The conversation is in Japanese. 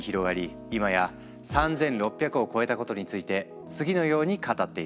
今や３，６００を超えたことについて次のように語っている。